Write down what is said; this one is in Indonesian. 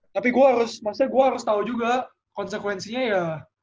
tapi gue harus maksudnya gue harus tahu juga konsekuensinya ya